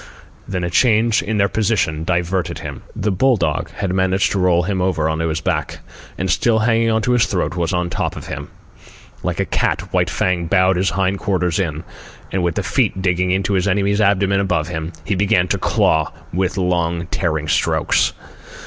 Then a change in their position diverted him. The bull dog had managed to roll him over on his back, and still hanging on to his throat, was on top of him. Like a cat, White Fang bowed his hind quarters in, and, with the feet digging into his enemy's abdomen above him, he began to claw with long tearing strokes.